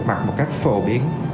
mặc một cách phổ biến